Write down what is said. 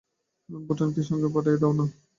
বোঠানকেও সঙ্গে পাঠাইয়া দাও-না!